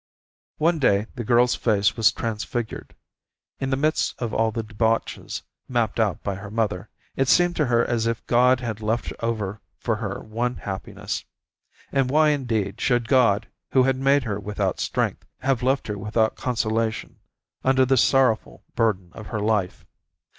One day the girl's face was transfigured. In the midst of all the debauches mapped out by her mother, it seemed to her as if God had left over for her one happiness. And why indeed should God, who had made her without strength, have left her without consolation, under the sorrowful burden of her life?